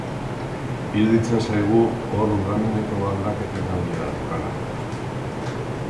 Iruditzen zaigu hor uda mineko galdak etenaldia daukala.